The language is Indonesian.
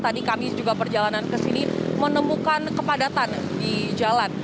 tadi kami juga perjalanan ke sini menemukan kepadatan di jalan